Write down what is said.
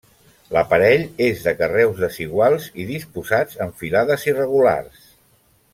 L'aparell és de carreus desiguals i disposats en filades irregulars.